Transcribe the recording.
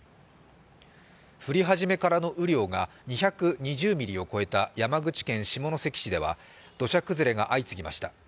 降り始めからの雨量が２２０ミリを超えた山口県下関市では土砂崩れが相次ぎました。